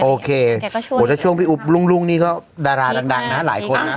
โอเคถ้าช่วงพี่อุ๊บรุ่งนี่ก็ดาราดังนะหลายคนนะ